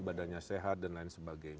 badannya sehat dan lain sebagainya